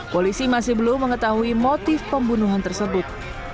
polisi masih belum mengetahui motif pembunuhan tersebut